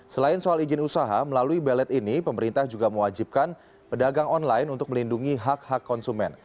selain soal izin usaha melalui bellet ini pemerintah juga mewajibkan pedagang online untuk melindungi hak hak konsumen